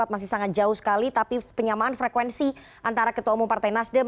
masih sangat jauh sekali tapi penyamaan frekuensi antara ketua umum partai nasdem